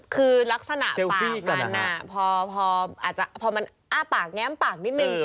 คือลักษณะปากมันพอมันอ้าปากแง้มปากนิดนึง